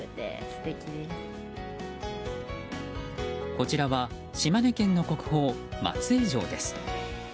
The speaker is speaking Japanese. こちらは島根県の国宝松江城です。